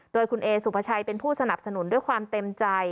โดยคุณเอสุภาชัยเป็นผู้สนับสนุนด้วยความเต็มใจ